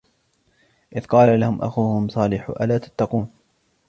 إِذْ قَالَ لَهُمْ أَخُوهُمْ صَالِحٌ أَلَا تَتَّقُونَ